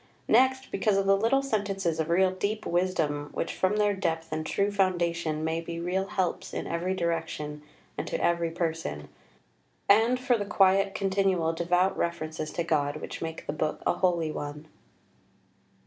Next because of the little sentences of real deep wisdom which from their depth and true foundation may be real helps in every direction and to every person; and for the quiet continual devout references to God which make the book a holy one."